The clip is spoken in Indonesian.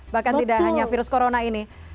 bahkan tidak hanya virus corona ini